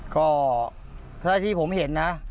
ก็ถ้าที่ผมเห็นนะ